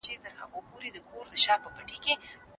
د پوهانو خبري په دقت سره واورئ.